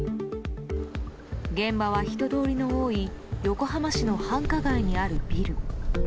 現場は人通りの多い横浜市の繁華街にあるビル。